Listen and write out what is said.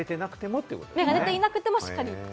芽が出ていなくてもしっかりと。